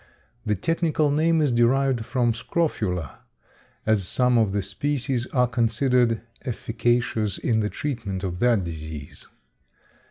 The technical name is derived from scrofula, as some of the species are considered efficacious in the treatment of that disease.